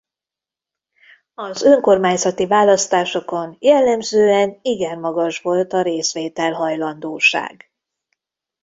Az önkormányzati választásokon jellemzően igen magas volt a részvétel hajlandóság.